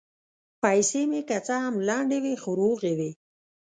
پیسې مې که څه هم لندې وې، خو روغې وې.